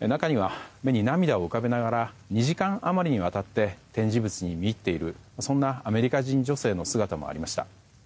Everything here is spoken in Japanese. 中には、目に涙を浮かべながら２時間余りにわたって展示物に見入っているアメリカ人女性の姿もありました。